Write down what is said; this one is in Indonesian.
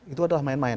itu adalah main main